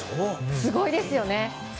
すごいですよね。